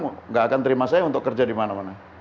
tidak akan terima saya untuk kerja dimana mana